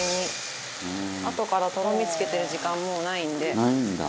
あとからとろみつけてる時間もうないんで。